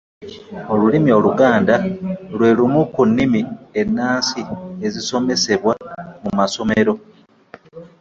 Olulimi Oluganda lwe lumu ku nnimi ennansi ezisomesebwa mu masomero.